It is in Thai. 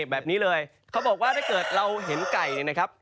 แบบนี้เลยเขาบอกว่าถ้าเกิดเราเห็นไก่เนี่ยนะครับ